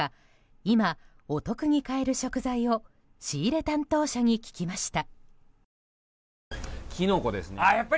今、お得に買える食材を仕入れ担当者に聞きました。